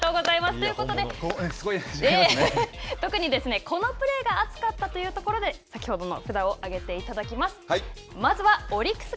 ということで、このプレーが熱かったというところで先ほどの札を上げていただきます。